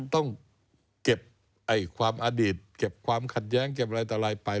ต้องเก็บความอดีตเก็บความขัดแย้งเก็บอะไรต่ออะไรไป